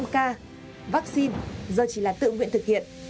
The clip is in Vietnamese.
năm k vaccine do chỉ là tự nguyện thực hiện